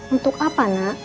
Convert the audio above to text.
untuk apa nak